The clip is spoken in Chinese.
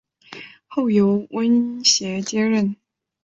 后由翁楷接任。